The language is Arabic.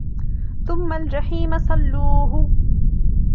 ثُمَّ الْجَحِيمَ صَلُّوهُ